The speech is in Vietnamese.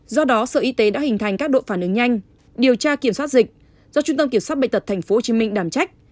do đó sở y tế đã hình thành các đội phản ứng nhanh điều tra kiểm soát dịch do trung tâm kiểm soát bệnh tật tp hcm đảm trách